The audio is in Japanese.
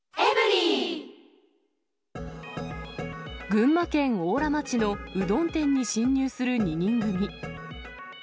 群馬県邑楽町のうどん店に侵入する２人組。